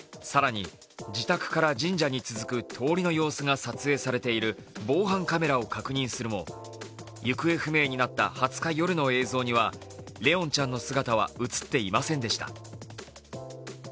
更に、自宅から神社に続く通りの様子が映っている防犯カメラを確認すると行方不明になった２０日夜の映像には怜音ちゃんの姿は映っていませんでした。